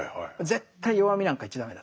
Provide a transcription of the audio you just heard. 絶対弱みなんか言っちゃ駄目だと。